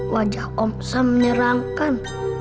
wajah om sam menyerangkan